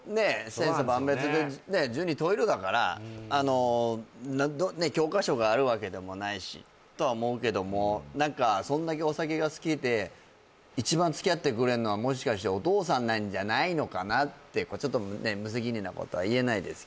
千差万別で十人十色だから教科書があるわけでもないしとは思うけども何かそんだけお酒が好きで一番つきあってくれんのはもしかしてお父さんなんじゃないのかなってちょっとねえ無責任なことは言えないです